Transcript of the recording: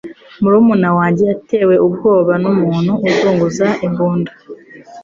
Murumuna wanjye yatewe ubwoba numuntu uzunguza imbunda